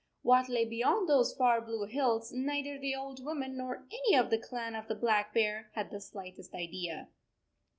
What lay beyond those far blue hills neither the old woman nor any of the clan of the Black Bear had the slightest idea.